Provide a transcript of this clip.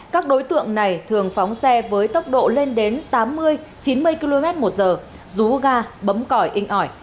các đối tượng này thường phóng xe với tốc độ lên đến tám mươi chín mươi km một giờ rú ga bấm còi inh ỏi